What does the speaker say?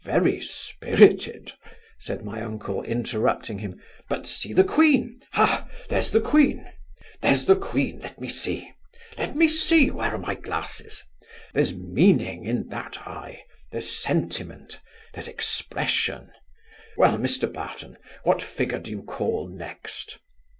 very spirited! (said my uncle, interrupting him) but see the queen! ha, there's the queen! There's the queen! let me see Let me see Where are my glasses? ha! there's meaning in that eye There's sentiment There's expression Well, Mr Barton, what figure do you call next?